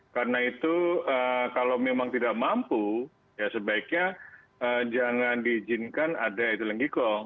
karena itu kalau memang tidak mampu ya sebaiknya jangan diizinkan ada ethylene glycol